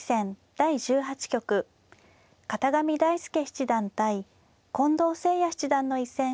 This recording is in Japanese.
第１８局片上大輔七段対近藤誠也七段の一戦をお送りします。